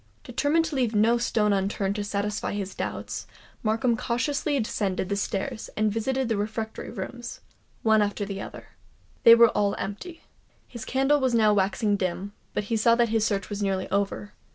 Determined to leave no stone unturned to satisfy his doubts, Markham cautiously descended the stairs, and visited the refectory rooms, one after the other. They were all empty. His candle was now waxing dim; but he saw that his search was nearly over.